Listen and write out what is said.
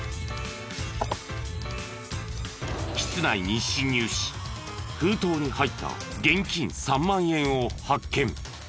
室内に侵入し封筒に入った現金３万円を発見。